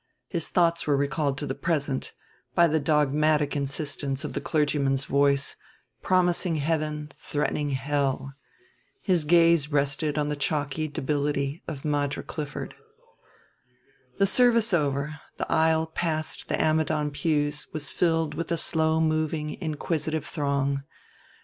His thoughts were recalled to the present by the dogmatic insistence of the clergyman's voice, promising heaven, threatening hell. His gaze rested on the chalky debility of Madra Clifford. The service over, the aisle past the Ammidon pews was filled with a slow moving inquisitive throng.